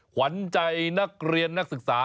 ขวัญใจนักเรียนนักศึกษา